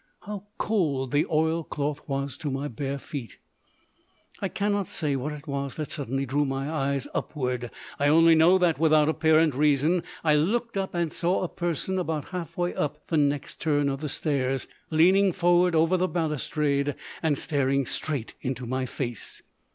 How cold the oilcloth was to my bare feet. I cannot say what it was that suddenly drew my eyes upwards. I only know that, without apparent reason, I looked up and saw a person about half way up the next turn of the stairs, leaning forward over the balustrade and staring straight into my face.